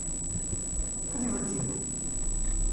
Que divertido?